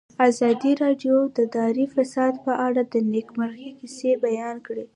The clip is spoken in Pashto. ازادي راډیو د اداري فساد په اړه د نېکمرغۍ کیسې بیان کړې.